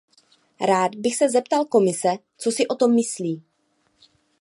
Rád bych se zeptal Komise, co si o tom myslí.